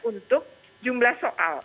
untuk jumlah soal